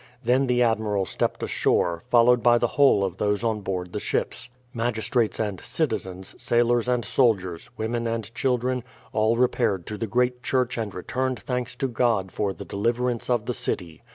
Then the admiral stepped ashore, followed by the whole of those on board the ships. Magistrates and citizens, sailors and soldiers, women and children, all repaired to the great church and returned thanks to God for the deliverance of the city.